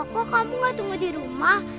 kok kamu gak tunggu di rumah